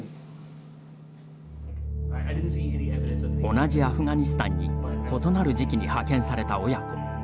同じアフガニスタンに異なる時期に派遣された親子。